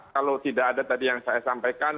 kalau tidak ada tadi yang saya sampaikan